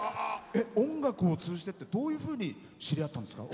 音楽を通じて、どういうふうに知り合ったんですか？